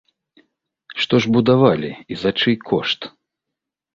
Што ж будавалі і за чый кошт?